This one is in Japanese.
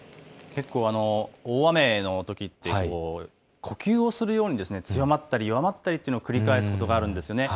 結構、大雨のときは呼吸をするように強まったり弱まったりを繰り返すことがあるんです。